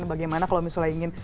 bagaimana kalau misalnya ingin